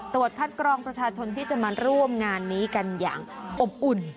ตรวจคัดกรองประชาชนที่จะมาร่วมงานนี้กันอย่างอบอุ่น